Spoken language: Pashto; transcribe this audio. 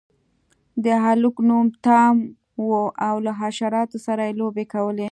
د هلک نوم ټام و او له حشراتو سره یې لوبې کولې.